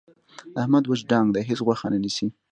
احمد وچ ډانګ دی. هېڅ غوښه نه نیسي.